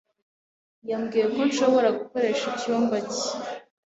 Yambwiye ko nshobora gukoresha icyumba cye.